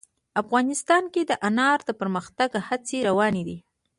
افغانستان کې د انار د پرمختګ هڅې روانې دي.